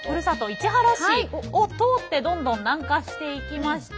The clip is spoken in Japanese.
市原市を通ってどんどん南下していきまして。